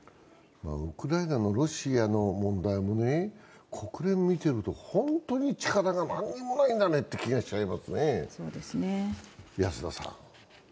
ウクライナのロシアの問題も国連を見てると本当に力が何もないんだねという気がしちゃいますね。